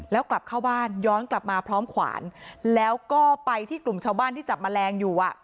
แล้วกลับเข้าบ้านย้อนกลับมาพร้อมขวานแล้วก็ไปที่กลุ่มชาวบ้านที่จับแมลงอยู่อ่ะ